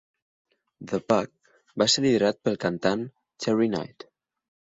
The Pack va ser liderat pel cantant, Terry Knight.